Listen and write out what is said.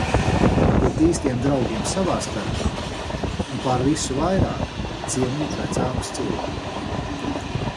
Būt īstiem draugiem savā starpā, un pār visu vairāk, cienīt vecākus cilvēkus.